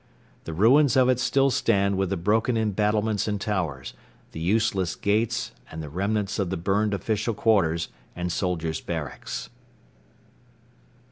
The ruins of it still stand with the broken embattlements and towers, the useless gates and the remnants of the burned official quarters and soldiers' barracks.